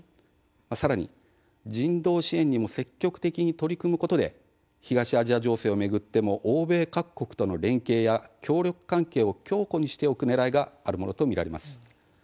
さらに、人道支援にも積極的に取り組むことで東アジア情勢を巡っても欧米各国との連携や協力関係を強固にしておくねらいがあるものと見られます。